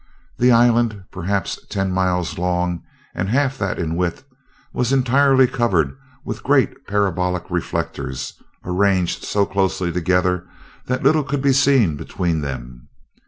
The island, perhaps ten miles long and half that in width, was entirely covered with great parabolic reflectors, arranged so closely together that little could be seen between them.